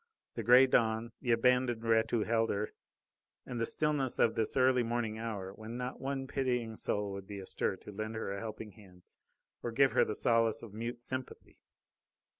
The grey dawn, the abandoned wretch who held her, and the stillness of this early morning hour, when not one pitying soul would be astir to lend her a helping hand or give her the solace of mute sympathy.